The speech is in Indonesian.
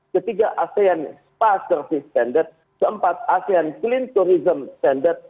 ketiga asean spa service standard keempat asean clean tourism standard